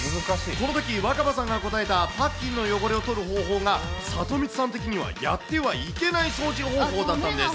このとき、若葉さんが答えた、パッキンの汚れを取る方法が、サトミツさん的にはやってはいけない掃除方法だったんです。